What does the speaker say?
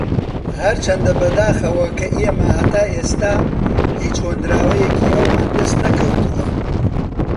ھەرچەندە بەداخەوە کە ئێمە ھەتا ئێستا ھیچ ھۆنراوەیەکی ئەومان دەست نەکەوتووە